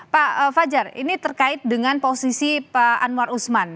pak fajar ini terkait dengan posisi pak anwar usman